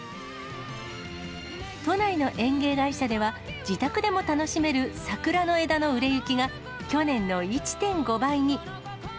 都内の園芸会社では、自宅でも楽しめる桜の枝の売れ行きが去年の１．５倍に。